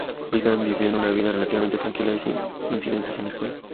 Bridgman vivió una vida relativamente tranquila y sin incidentes en la escuela.